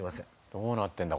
どうなってんだ